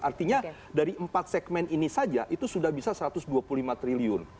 artinya dari empat segmen ini saja itu sudah bisa satu ratus dua puluh lima triliun